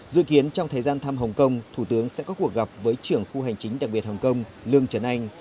dự kiến trong thời gian thăm hồng kông thủ tướng sẽ có cuộc gặp với trưởng khu hành chính đặc biệt hồng kông lương trần anh